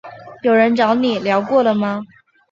有人找你聊过了吗？